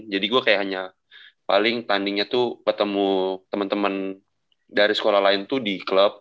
jadi gue kayak hanya paling tandingnya tuh ketemu temen temen dari sekolah lain tuh di klub